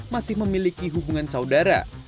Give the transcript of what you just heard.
masih memiliki hubungan saudara